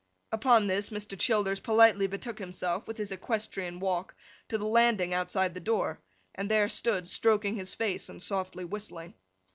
Upon this, Mr. Childers politely betook himself, with his equestrian walk, to the landing outside the door, and there stood stroking his face, and softly whistling.